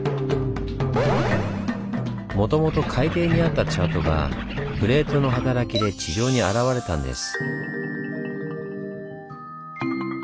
もともと海底にあったチャートがプレートの働きで地上に現れたんです。